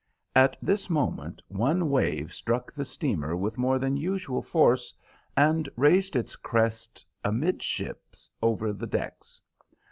At this moment one wave struck the steamer with more than usual force and raised its crest amidship over the decks.